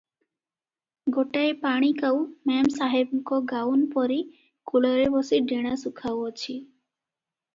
ଗୋଟାଏ ପାଣିକାଉ ମେମେସାହେବଙ୍କ ଗାଉନ୍ ପରି କୂଳରେ ବସି ଡେଣା ସୁଖାଉ ଅଛି ।